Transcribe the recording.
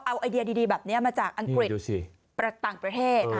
เอาไอเดียดีแบบนี้มาจากอังกฤษต่างประเทศ